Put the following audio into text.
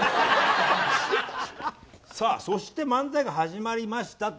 そして漫才が始まりましたと。